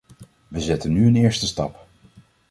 We zetten nu een eerste stap.